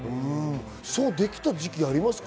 そうできた時期ありますか？